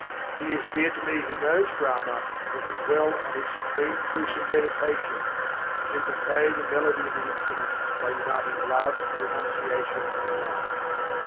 He is dear to me who knows Brahma, and can dwell on His supreme truth in meditation; and who can play the melody of the Infinite by uniting love and renunciation in life.